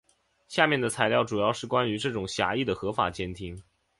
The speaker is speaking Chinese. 下面的材料主要是关于这种狭义的合法监听。